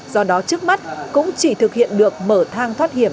do đó trước mắt cũng chỉ thực hiện được mở thang thoát hiểm